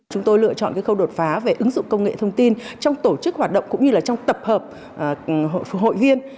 chúng tôi lựa chọn khâu đột phá về ứng dụng công nghệ thông tin trong tổ chức hoạt động cũng như là trong tập hợp hội viên